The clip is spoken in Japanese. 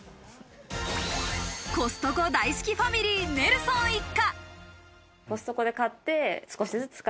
コストコ大好きファミリーネルソン一家。